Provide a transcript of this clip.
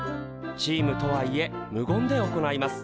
チームとはいえ無言で行います。